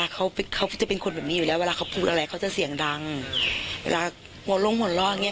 เค้ายังไม่รู้เลยว่าเค้าไปทำอะไรให้พวกนี้